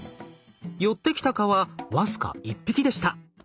寄ってきた蚊は僅か１匹でした。